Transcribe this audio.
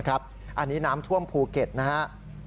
อันนี้น้ำท่วมภูเก็ตนะครับ